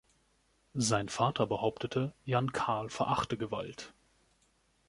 Sein Vater behauptete, Jan-Carl verachte Gewalt.